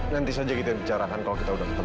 nanti saja kita bicarakan kalau kita sudah bertemu